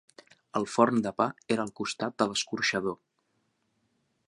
El forn de pa era al costat de l'escorxador.